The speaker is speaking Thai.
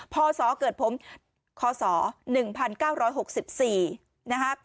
๒๐๒๑๓๑๓๐พศเกิดผมขศ๑๙๖๔นะฮะ